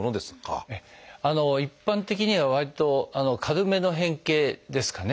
一般的にはわりと軽めの変形ですかね。